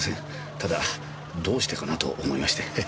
ただどうしてかなと思いましてええ。